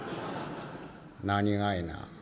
「何がいな？」。